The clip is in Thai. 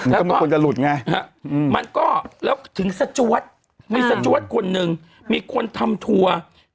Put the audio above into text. อื้อมีคนจะหลุดไงมันก็แล้วถึงสัชวรมีสัชวรคนหนึ่งมีคนทำทัวร์